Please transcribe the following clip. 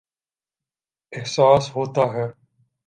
احساس ہوتاہے